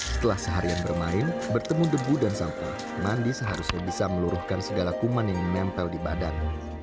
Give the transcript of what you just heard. setelah seharian bermain bertemu debu dan sampah mandi seharusnya bisa meluruhkan segala kuman yang menempel di badan